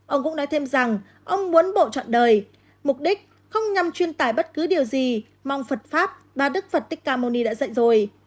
ông cũng nói thêm rằng ông muốn bộ trọn đời mục đích không nhằm truyền tải bất cứ điều gì mà ông phật pháp và đức phật thích ca mâu ni đã dạy rồi